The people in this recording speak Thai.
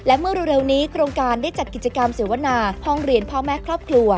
และเมื่อเร็วนี้โครงการได้จัดกิจกรรมเสวนาห้องเรียนพ่อแม่ครอบครัว